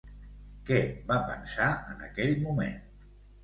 Què va pensar en aquell moment?